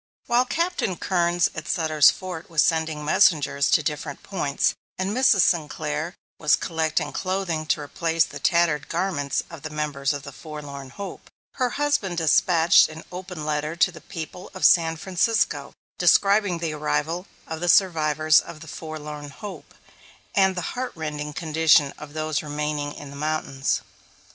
While Captain Kerns at Sutter's Fort was sending messengers to different points, and Mrs. Sinclair was collecting clothing to replace the tattered garments of the members of the Forlorn Hope, her husband despatched an open letter to the people of San Francisco, describing the arrival of the survivors of the Forlorn Hope, and the heart rending condition of those remaining in the mountains.